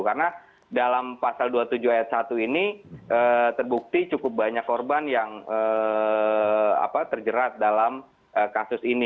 karena dalam pasal dua puluh tujuh e satu ini terbukti cukup banyak korban yang terjerat dalam kasus ini